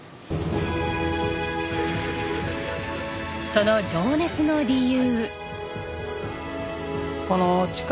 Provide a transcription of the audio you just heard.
その情熱の理由。